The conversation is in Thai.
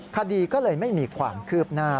คดีก็เลยไม่มีความคืบหน้า